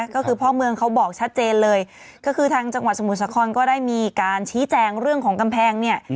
ก็คือพ่อเมืองเขาบอกชัดเจนเลยก็คือทางจังหวัดสมุทรสาครก็ได้มีการชี้แจงเรื่องของกำแพงเนี่ย